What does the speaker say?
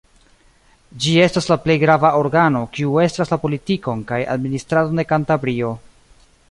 Ĝi estas la plej grava organo, kiu estras la politikon kaj administradon de Kantabrio.